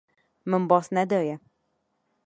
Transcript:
Min baz nedaye.